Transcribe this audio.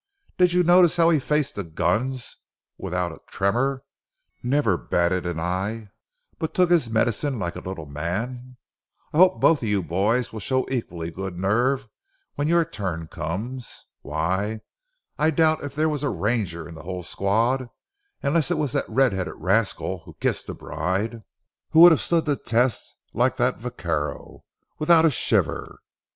Did you notice how he faced the guns without a tremor; never batted an eye but took his medicine like a little man. I hope both of you boys will show equally good nerve when your turn comes. Why, I doubt if there was a ranger in the whole squad, unless it was that red headed rascal who kissed the bride, who would have stood the test like that vaquero—without a shiver.